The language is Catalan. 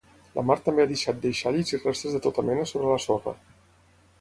La mar també ha deixat deixalles i restes de tota mena sobre la sorra.